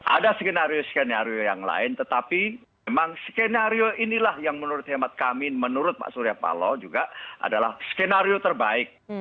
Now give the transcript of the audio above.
ada skenario skenario yang lain tetapi memang skenario inilah yang menurut hemat kami menurut pak surya paloh juga adalah skenario terbaik